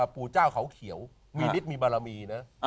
ปู่เจ้าเขาเขียวมีฤทธิมีบารมีนะ